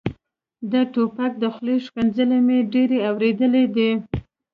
د ټوپک د خولې ښکنځلې مې ډېرې اورېدلې دي.